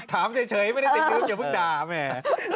ถามเฉยไม่ได้ติดคุกอย่าเพิ่งด่าแหม